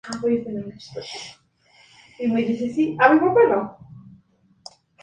A veces los pliegos de estampillas coinciden en el tamaño con los pliegos tipográficos.